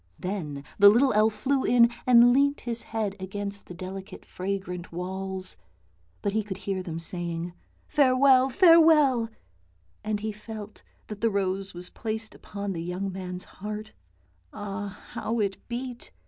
Then the little elf flew in and leant his head against the delicate fragrant walls, but he could hear them saying, " Farewell, farewell," and he felt that the rose was placed upon the young man's heart — ah, how it beat!